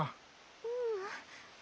ううん。